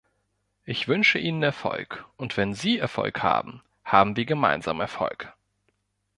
Ich wünsche Ihnen Erfolg, und wenn Sie Erfolg haben, haben wir gemeinsam Erfolg.